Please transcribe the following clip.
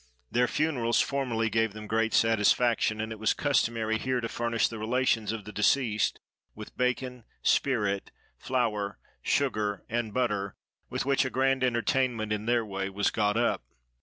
Their funerals formerly gave them great satisfaction, and it was customary here to furnish the relations of the deceased with bacon, spirit, flour, sugar and butter, with which a grand entertainment, in their way, was got up.